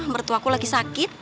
mertua aku lagi sakit